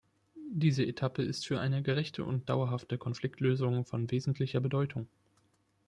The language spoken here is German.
Diese Etappe ist für eine gerechte und dauerhafte Konfliktlösung von wesentlicher Bedeutung.